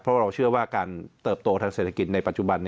เพราะเราเชื่อว่าการเติบโตทางเศรษฐกิจในปัจจุบัน